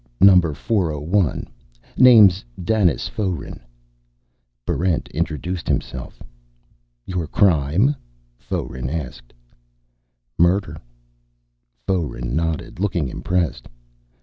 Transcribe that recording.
Number 401. Name's Danis Foeren." Barrent introduced himself. "Your crime?" Foeren asked. "Murder." Foeren nodded, looking impressed.